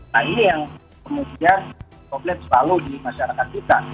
nah ini yang kemudian problem selalu di masyarakat kita